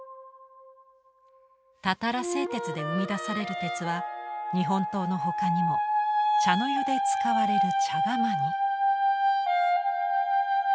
たたら製鉄で生み出される鉄は日本刀のほかにも茶の湯で使われる茶釜に。